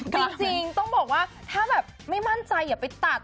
จริงต้องบอกว่าถ้าแบบไม่มั่นใจอย่าไปตัด